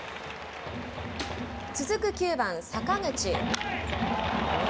続く９番坂口。